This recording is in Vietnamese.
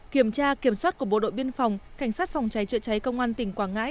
kiểm tra kiểm soát của bộ đội biên phòng cảnh sát phòng cháy chữa cháy công an tỉnh quảng ngãi